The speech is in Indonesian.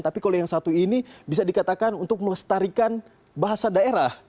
tapi kalau yang satu ini bisa dikatakan untuk melestarikan bahasa daerah